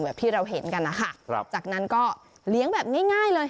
ที่เราเห็นกันนะคะจากนั้นก็เลี้ยงแบบง่ายเลย